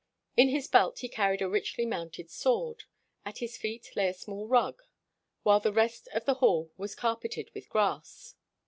In his belt, he carried a richly mounted sword. At his feet lay a small rug, while the rest of the hall was car peted with grass.